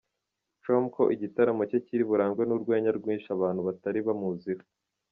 com ko igitaramo cye kiri burangwe n’urwenya rwinshi abantu batari bamuziho.